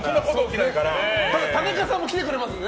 ただ、田中さんも来てくれますからね。